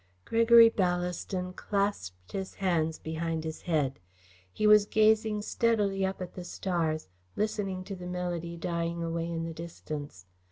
Gregory Ballaston clasped his hands behind his head. He was gazing steadily up at the stars, listening to the melody dying away in the distance.